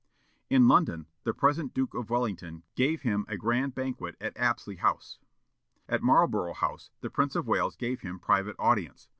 In London, the present Duke of Wellington gave him a grand banquet at Apsley House. At Marlborough House, the Prince of Wales gave him private audience.